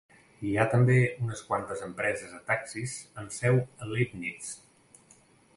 Hi ha també unes quantes empreses de taxis amb seu a Leibnitz.